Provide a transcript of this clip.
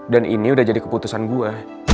dan ini udah jadi keputusan gue